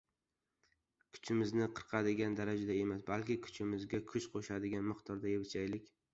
Kuchimizni qirqadigan darajada emas, balki kuchimizga kuch qo‘shadigan miqdorda yeb-ichaylik.